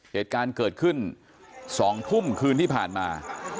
เหตุการณ์เกิดขึ้น๒ทุ่มคืนที่ผ่านมา